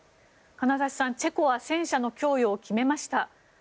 金指さん、チェコは戦車の供与を決めました。